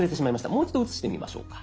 もう一度写してみましょうか。